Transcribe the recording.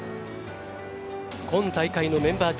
今大会のメンバー中